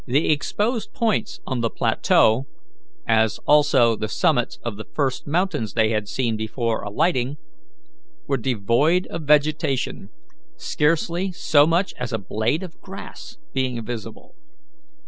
The exposed points on the plateau, as also the summits of the first mountains they had seen before alighting, were devoid of vegetation, scarcely so much as a blade of grass being visible.